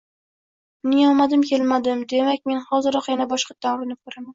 Mening omadim kelmadimi, demak men hoziroq yana boshqatdan urinib ko’raman